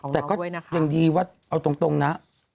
แต่ก็ยังดีว่าเอาตรงนะ